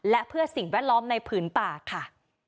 และเพื่อสิ่งแวดล้อมในผืนป่าค่ะ